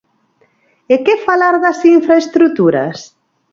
¿E que falar das infraestruturas?